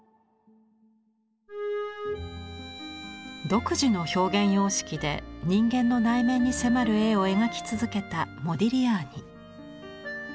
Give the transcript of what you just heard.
独自の表現様式で人間の内面に迫る絵を描き続けたモディリアーニ。